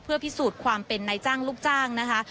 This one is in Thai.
เพื่อพิสูจน์ความเป็นนายจ้างลูกจ้างนะคะ